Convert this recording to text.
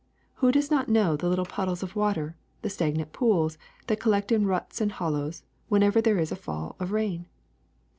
Who does not know the little puddles of water, the stagnant pools, that collect in ruts and hollows whenever there is a fall of rain?